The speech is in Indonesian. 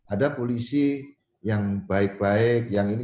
ada polisi yang baik baik yang ini